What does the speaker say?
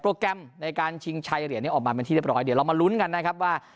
แกรมในการชิงชัยเหรียญนี้ออกมาเป็นที่เรียบร้อยเดี๋ยวเรามาลุ้นกันนะครับว่า